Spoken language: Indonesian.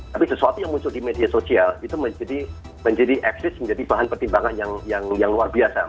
tapi sesuatu yang muncul di media sosial itu menjadi eksis menjadi bahan pertimbangan yang luar biasa